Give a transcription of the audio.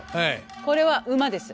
これは馬です。